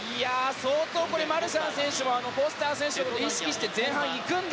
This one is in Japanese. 相当、マルシャン選手はフォスター選手を意識して意識して前半いくんだ。